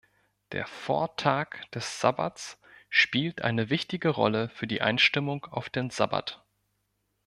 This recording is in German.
Der Vortag des Sabbats spielt eine wichtige Rolle für die Einstimmung auf den Sabbat.